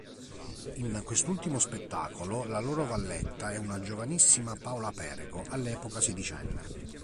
In quest'ultimo spettacolo la loro valletta è una giovanissima Paola Perego, all'epoca sedicenne.